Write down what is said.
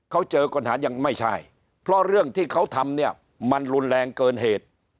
เขาเจอปัญหายังไม่ใช่เพราะเรื่องที่เขาทำเนี่ยมันรุนแรงเกินเหตุ